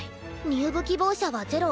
入部希望者はゼロ。